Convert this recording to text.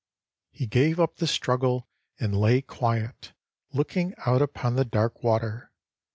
"He gave up the struggle, and lay quiet, looking out upon the dark water.